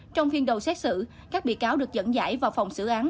trong phiên đầu xét xử các bị cáo được dẫn giải vào phòng xử án